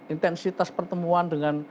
intensitas pertemuan dengan